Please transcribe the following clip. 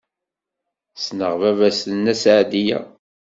Ssneɣ baba-s n Nna Seɛdiya.